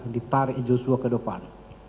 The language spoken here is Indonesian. ditarik joshua ke depan